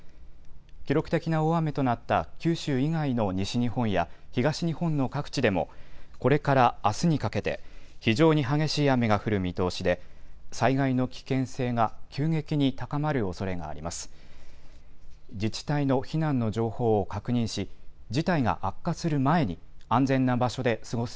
記録的な大雨となった九州以外の西日本や東日本の各地でもこれからあすにかけて非常に激しい雨が降る見通しで災害の危険性が急激に高まるおそれがあります。